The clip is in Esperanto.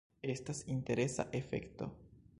Estas interesa efekto.